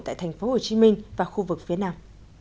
tại thành phố hồ chí minh và khu vực phía nam